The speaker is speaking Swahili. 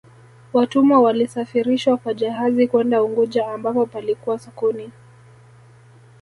watumwa walisafirishwa kwa jahazi kwenda unguja ambapo palikuwa sokoni